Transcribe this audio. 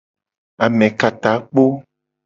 Amekatakpo.